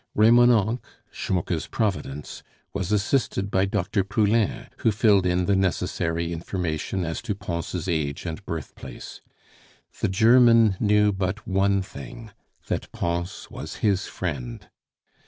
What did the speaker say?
Remonencq, Schmucke's Providence, was assisted by Dr. Poulain, who filled in the necessary information as to Pons' age and birthplace; the German knew but one thing that Pons was his friend.